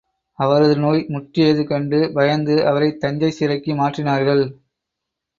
அவரது நோய் முற்றியது கண்டு பயந்து அவரை தஞ்சைச் சிறைக்கு மாற்றினார்கள்.